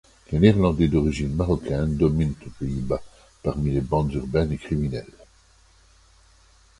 Les Néerlandais d'origine marocaine dominent aux Pays-Bas parmi les bandes urbaines et criminelles.